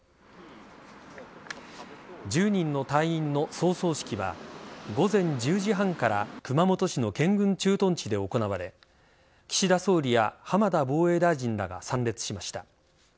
１０人の隊員の葬送式は午前１０時半から熊本市の健軍駐屯地で行われ岸田総理や浜田防衛大臣らが参列しました。